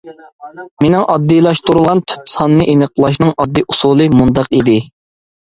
مېنىڭ ئاددىيلاشتۇرۇلغان «تۈپ ساننى ئېنىقلاشنىڭ ئاددىي ئۇسۇلى» مۇنداق ئىدى.